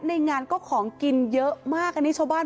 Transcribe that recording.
เมนูโอ้โหน่ากินทั้งนั้น